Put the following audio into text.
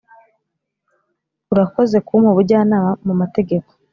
urakoze kumpa ubujyanama mumategeko!